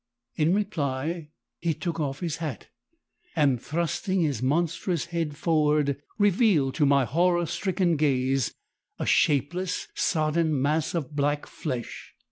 "In reply he took off his hat, and, thrusting his monstrous head forward, revealed to my horror stricken gaze a shapeless, sodden mass of black flesh!